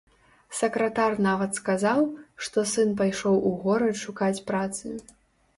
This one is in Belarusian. Сакратар нават сказаў, што сын пайшоў у горад шукаць працы.